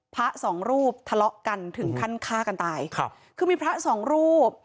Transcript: พระสองรูปทะเลาะกันถึงขั้นฆ่ากันตายครับคือมีพระสองรูป